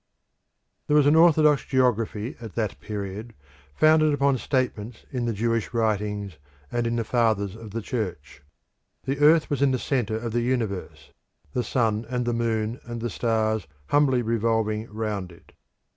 There was an orthodox geography at that period founded upon statements in the Jewish writings, and in the Fathers of the Church. The earth was in the centre of the universe; the sun and the moon and the stars humbly revolving round it.